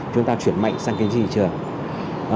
chúng ta chuyển mạnh sang kiến trình thị trường